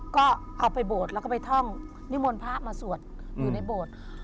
ก็เอาไปโบสถ์แล้วก็ไปท่องนิมนต์พระมาสวดอยู่ในโบสถ์